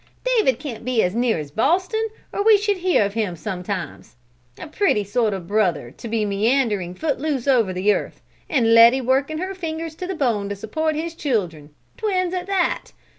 "David can't be as near as Boston or we should hear of him sometimes. A pretty sort of brother to be meandering foot loose over the earth, and Letty working her fingers to the bone to support his children twins at that!